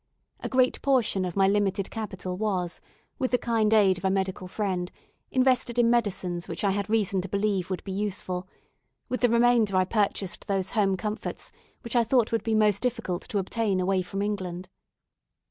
A great portion of my limited capital was, with the kind aid of a medical friend, invested in medicines which I had reason to believe would be useful; with the remainder I purchased those home comforts which I thought would be most difficult to obtain away from England.